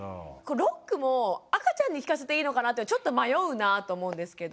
ロックも赤ちゃんに聞かせていいのかなってちょっと迷うなと思うんですけど。